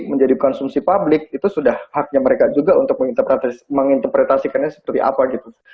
menjadi konsumsi publik itu sudah haknya mereka juga untuk menginterpretasikannya seperti apa gitu